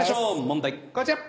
問題こちら！